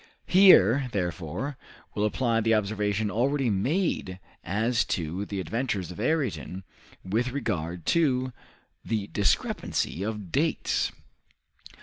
Here, therefore, will apply the observation already made as to the adventures of Ayrton with regard to the discrepancy of dates.